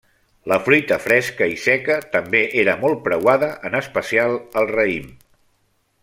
La fruita fresca i seca també era molt preuada, en especial el raïm.